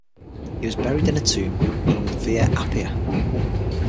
He was buried in a tomb along the Via Appia.